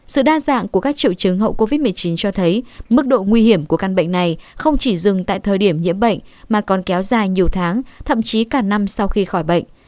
sự đa dạng của các triệu chứng hậu covid một mươi chín cho thấy mức độ nguy hiểm của căn bệnh này không chỉ dừng tại thời điểm nhiễm bệnh mà còn kéo dài nhiều tháng thậm chí cả năm sau khi khỏi bệnh